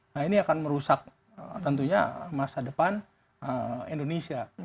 nah ini akan merusak tentunya masa depan indonesia